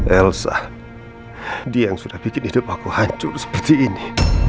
elsa dia yang sudah bikin hidup aku hancur seperti ini